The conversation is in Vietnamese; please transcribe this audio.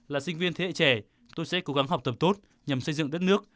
là sinh viên thế hệ trẻ tôi sẽ cố gắng học tập tốt nhằm xây dựng đất nước